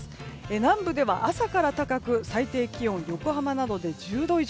南部では朝から高く最低気温、横浜などで１０度以上。